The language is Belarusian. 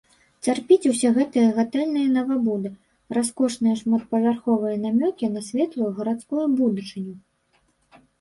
Цярпіць усе гэтыя гатэльныя навабуды, раскошныя шматпавярховыя намёкі на светлую гарадскую будучыню.